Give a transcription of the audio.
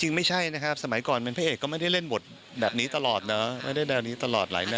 จริงไม่ใช่นะครับสมัยก่อนเป็นพระเอกก็ไม่ได้เล่นบทแบบนี้ตลอดนะไม่ได้แนวนี้ตลอดหลายแนว